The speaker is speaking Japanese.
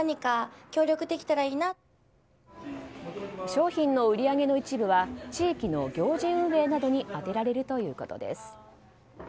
商品の売り上げの一部は地域の行事運営などに充てられるということです。